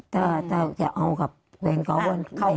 ถ้าอยากเอากับเพื่อนเขาว่าไง